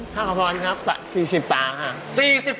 ท่าขวัญครับ๔๐ฝาครับ